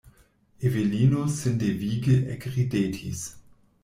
Evelino sindevige ekridetis.